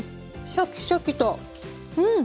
シャキシャキとうん！